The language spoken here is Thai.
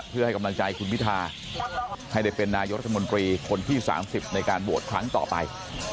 เพื่อให้กำลังใจคุณพิทาให้ได้เป็นนายกรัฐมนตรีคนที่๓๐ในการโหวตครั้งต่อไป